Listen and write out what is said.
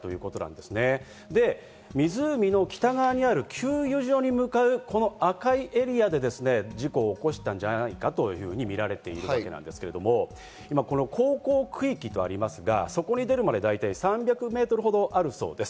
で、湖の北側にある給油所に向かう、この赤いエリアで事故を起こしたんじゃないかとみられているわけですけど、航行区域とありますが、そこに出るまで、だいたい３００ｍほどあるそうです。